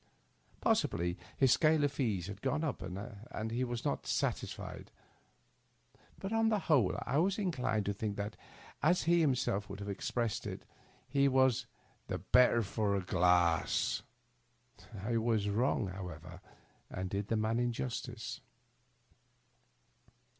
Possibly his scale of fees had gone up, and he was not satisfied; but on the whole I was in clined to think that, as he himself would have expressed it, he was "the better for a glass." I was wrong, how ever, and did the man injustice.